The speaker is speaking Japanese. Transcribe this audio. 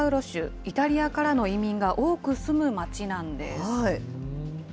イタリアからの移民が多く住む街なんです。